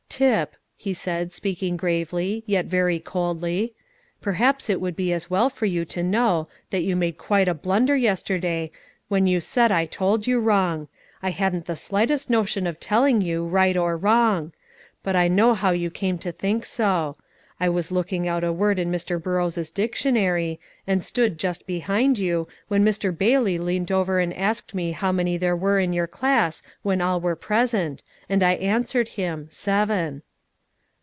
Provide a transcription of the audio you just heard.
"Tip," he said, speaking gravely, yet very coldly, "perhaps it would be as well for you to know that you made quite a blunder yesterday, when you said I told you wrong; I hadn't the slightest notion of telling you, right or wrong. But I know how you came to think so. I was looking out a word in Mr. Burrows' dictionary, and stood just behind you, when Mr. Bailey leaned over and asked me how many there were in your class when all were present, and I answered him, seven."